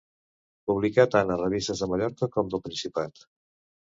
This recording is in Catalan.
Publicà tant a revistes de Mallorca com del Principat.